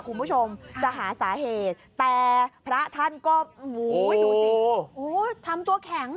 คุณผู้ชมจะหาสาเหตุแต่พระท่านก็โอ้โหดูสิทำตัวแข็ง